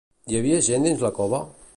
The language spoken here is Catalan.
Hi havia gent dins la cova?